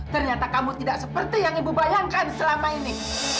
ternyata kamu tidak seperti yang ibu bayangkan selama ini